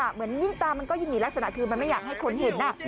เหมือนยิ่งตามันก็ยิ่งมีลักษณะคือมันไม่อยากให้คนเห็น